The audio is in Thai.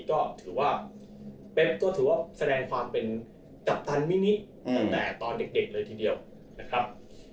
ก็ถือว่าก็ถือว่าแสดงความเป็นกัปตันมินิตั้งแต่ตอนเด็กเลยทีเดียวนะครับ